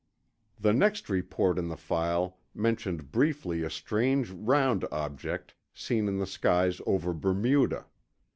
The next report in the file mentioned briefly a strange round object seen in the skies over Bermuda.